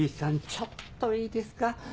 ちょっといいですか？